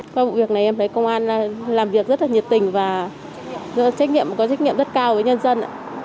qua vụ việc này em thấy công an làm việc rất là nhiệt tình và có trách nhiệm rất cao với nhân dân